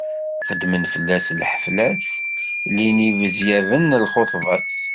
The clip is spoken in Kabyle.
Xedmen fell-as lḥeflat, llin ibezyaben i lxuṭbat.